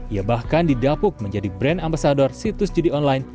ia bahkan didapuk menjadi brand ambasador situs judi online